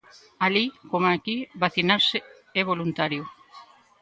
Alí, como aquí, vacinarse é voluntario.